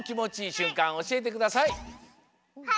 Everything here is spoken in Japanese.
しゅんかんおしえてください。